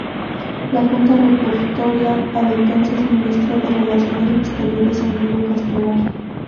La Junta reportaría al entonces Ministro de Relaciones Exteriores, Emilio Castelar.